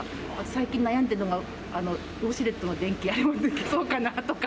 最近悩んでるのが、ウォシュレットの電気、あれも消そうかなとか。